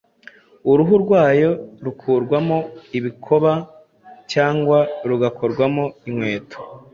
uruhu rwayo rukurwamo ibikoba cyangwa rugakorwamo inkweto,